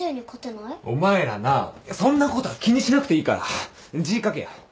お前らなそんなことは気にしなくていいから字書けよ。